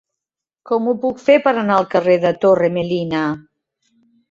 Com ho puc fer per anar al carrer de Torre Melina?